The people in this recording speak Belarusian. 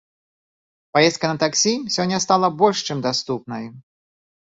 Паездка на таксі сёння стала больш, чым даступнай.